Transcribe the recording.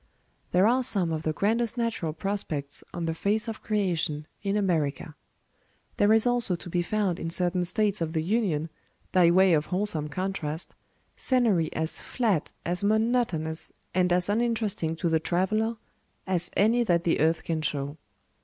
There are some of the grandest natural prospects on the face of creation in America. There is also to be found in certain States of the Union, by way of wholesome contrast, scenery as flat, as monotonous, and as uninteresting to the traveler, as any that the earth can show.